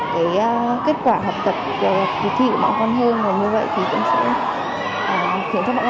kết quả học tập